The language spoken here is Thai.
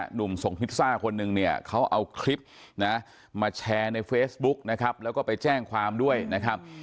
หนุ่มส่งพิซซ่าคนนึงเนี่ยเขาเอาคลิปนะมาแชร์ในเฟซบุ๊กนะครับแล้วก็ไปแจ้งความด้วยนะครับ